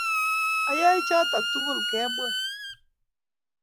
Ayae choto tugul kemwa.